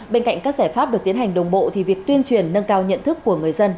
bên cạnh các giải pháp được tiến hành đồng bộ thì việc tuyên truyền nâng cao nhận thức của người dân